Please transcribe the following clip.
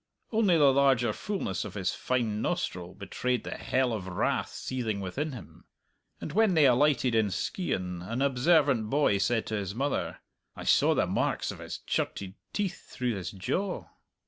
Only the larger fullness of his fine nostril betrayed the hell of wrath seething within him. And when they alighted in Skeighan an observant boy said to his mother, "I saw the marks of his chirted teeth through his jaw."